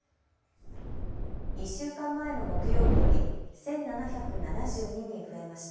１週間前の木曜日より１７７２人増えました。